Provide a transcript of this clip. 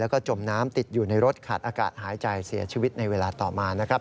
ขาดอากาศหายใจเสียชีวิตในเวลาต่อมานะครับ